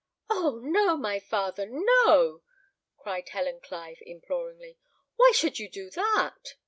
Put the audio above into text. "Oh! no, my father, no," cried Helen Clive, imploringly. "Why should you do that?"